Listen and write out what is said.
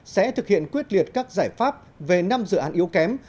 sẽ thực hiện quyết liệt các giải pháp về năm dự án yếu kém